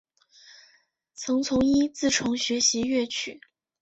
曾从尹自重学习粤曲。